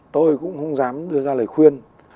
tôi cũng không dám đưa ra lời khuyên